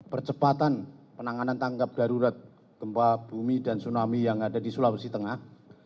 percepatan penanganan tangkap darurat gempa bumi dan tsunami yang ada di sulawesi tengah